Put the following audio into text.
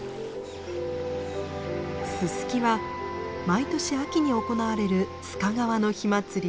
ススキは毎年秋に行われる須賀川の火祭り